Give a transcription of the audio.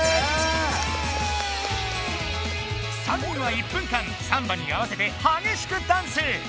３人は１分間サンバに合わせてはげしくダンス！